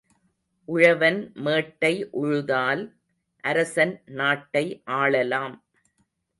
உழவன் மேட்டை உழுதால் அரசன் நாட்டை ஆளலாம்.